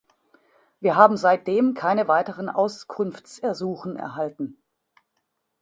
Wir haben seitdem keine weiteren Auskunftsersuchen erhalten.